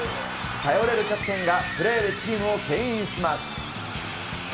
頼れるキャプテンがプレーでチームをけん引します。